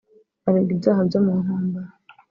aregwa ibyaha byo mu ntambara